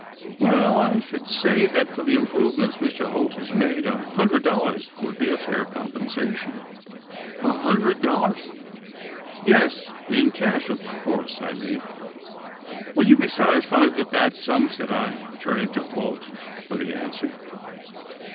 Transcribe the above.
"Well, I should say that, for the improvements Mr Holt has made, a hundred dollars would be a fair compensation." "A hundred dollars?" "Yes in cash, of course, I mean." "Will you be satisfied with that sum?" said I, turning to Holt for the answer.